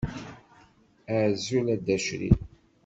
Azul a Dda crif.